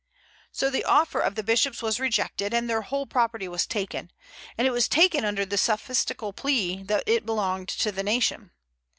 So the offer of the bishops was rejected, and their whole property was taken. And it was taken under the sophistical plea that it belonged to the nation.